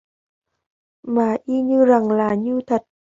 Mà y như rằng là như thật